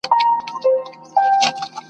یو ناڅاپه یې زړه ډوب سو حال یې بل سو !.